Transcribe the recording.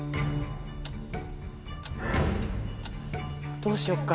どうしよっか。